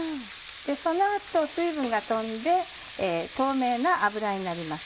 その後水分が飛んで透明な脂になります。